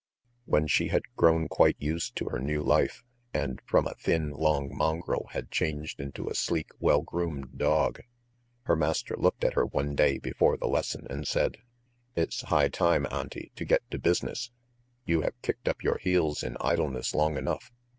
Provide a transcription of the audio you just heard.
When she had grown quite used to her new life, and from a thin, long mongrel, had changed into a sleek, well groomed dog, her master looked at her one day before the lesson and said: "It's high time, Auntie, to get to business. You have kicked up your heels in idleness long enough.